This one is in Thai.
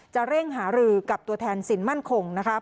เร่งหารือกับตัวแทนสินมั่นคง